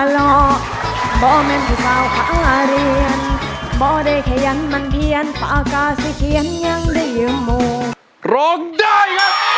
ร้องได้ครับ